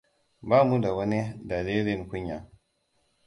Ba mu da wani dalilin kunya.